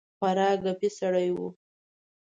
خورا ګپي سړی وو.